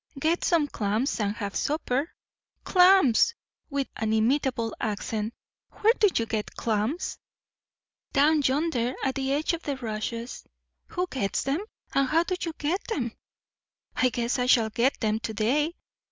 "Get some clams and have supper." "Clams!" with an inimitable accent. "Where do you get clams?" "Down yonder at the edge of the rushes." "Who gets them? and how do you get them?" "I guess I shall get them to day.